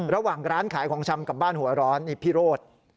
ระหว่างร้านขายของชำกับบ้านหัวร้อนนี่พีราด